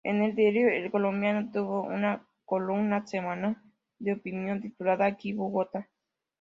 En el diario El Colombiano tuvo una columna semanal de opinión titulada Aquí Bogotá.